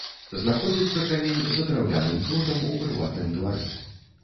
Знаходзіцца камень за драўляным плотам у прыватным двары.